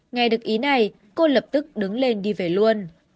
nghe được ý này cô lập tức đứng lên đi về luôn